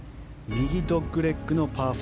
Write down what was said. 右ドッグレッグのパー５。